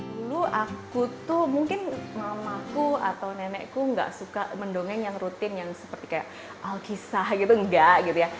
dulu aku tuh mungkin mamaku atau nenekku gak suka mendongeng yang rutin yang seperti kayak alkisah gitu enggak gitu ya